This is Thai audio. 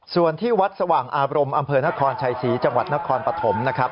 ส่วนที่วัดสว่างอารมณ์อำเภอนครชัยศรีจังหวัดนครปฐมนะครับ